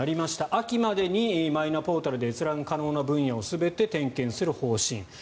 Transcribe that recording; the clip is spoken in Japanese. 秋までにマイナポータルで閲覧可能な分野を全て点検する方針。